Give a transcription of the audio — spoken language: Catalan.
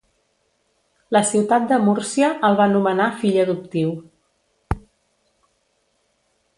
La ciutat de Múrcia el va nomenar Fill Adoptiu.